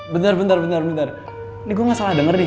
bentar bentar bentar bentar ini gue ga salah denger nih